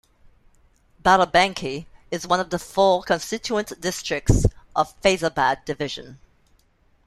Barabanki is one of the four constituent districts of Faizabad Division.